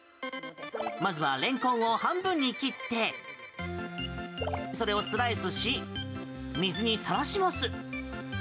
まずはレンコンを半分に切ってそれをスライスし水にさらします。